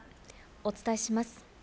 お伝えします。